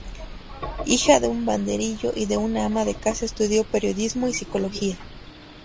Hija de un banderillero y de una ama de casa, estudió periodismo y psicología.